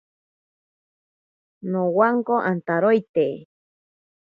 Nowanko antaroite.